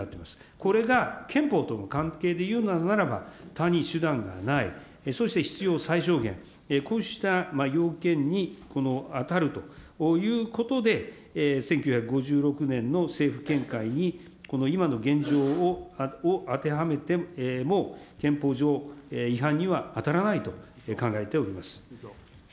これが、憲法との関係でいうならば、他に手段がない、そして必要最小限、こうした要件に、この当たるということで、１９５６年の政府見解に、この今の現状を当てはめても、憲法上、違反には当たらないと考えております。